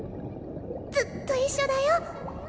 ずっと一緒だよ。